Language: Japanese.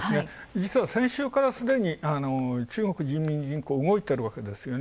実は先週からすでに中国人民銀行、動いてるわけですよね。